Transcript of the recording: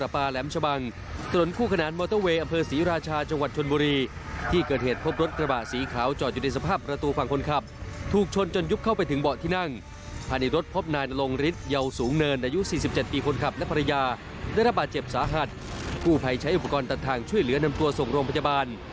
ภายใจละหัดผู้ไพรใช้อุปกรณ์ตัดทางช่วยเหลือนำตัวส่งโรงพยาบาล